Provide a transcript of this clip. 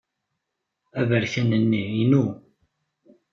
Aberkan-nni inu.